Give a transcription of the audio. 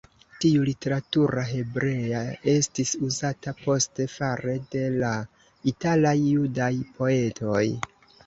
Tiu literatura hebrea estis uzata poste fare de la italaj judaj poetoj.